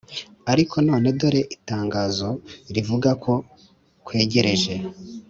; ariko none dore itangazo rivuga ko kwegereje.